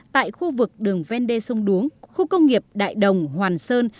tại khu vực đường vendê sông đuống khu công nghiệp đại đồng hoàn sơn